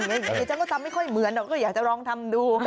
เดี๋ยวฉันก็ทำไม่ค่อยเหมือนหรอกก็อยากจะลองทำดู